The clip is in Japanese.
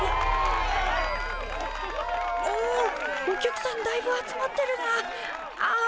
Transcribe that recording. お客さんだいぶ集まってるなあ。